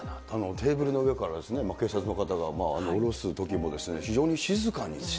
テーブルの上からですね、警察の方がおろすときも、非常に静かに。